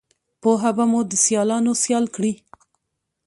پوهه به مو دسیالانوسیال کړي